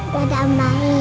dadah mam baik